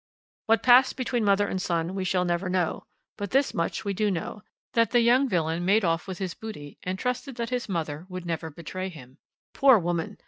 "What passed between mother and son we shall never know, but this much we do know, that the young villain made off with his booty, and trusted that his mother would never betray him. Poor woman!